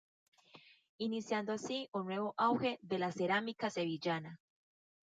Iniciando así un nuevo auge de la cerámica sevillana.